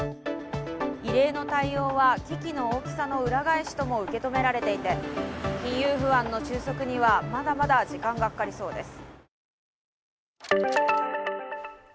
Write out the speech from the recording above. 異例の対応は危機の大きさの裏返しとも受け止められていて金融不安の収束にはまだまだ時間がかかりそうです。